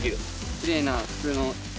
きれいな普通の。